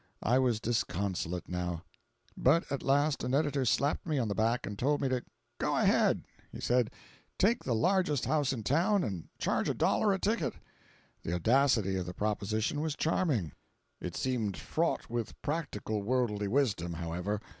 I was disconsolate now. But at last an editor slapped me on the back and told me to "go ahead." He said, "Take the largest house in town, and charge a dollar a ticket." The audacity of the proposition was charming; it seemed fraught with practical worldly wisdom, however.